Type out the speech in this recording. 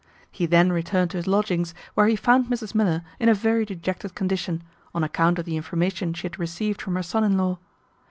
He then returned to his lodgings, where he found Mrs Miller in a very dejected condition, on account of the information she had received from her son in law.